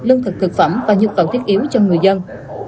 lương thực thực phẩm và nhu cầu thiết yếu cho người dân